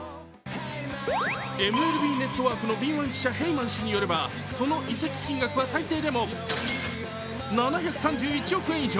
ＭＬＢネットワークの敏腕記者ヘイマン氏によればその移籍金額は最低でも７３１億円以上。